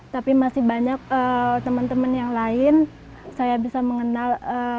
tapi masih banyak teman teman yang lain saya bisa mengenal